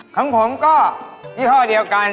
ของผมก็ยี่ห้อเดียวกัน